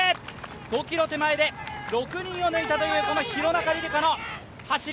５ｋｍ手前で６人を抜いたという廣中璃梨佳の走り。